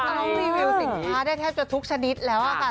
น้องรีวิวสินค้าได้แทบจะทุกชนิดแล้วค่ะ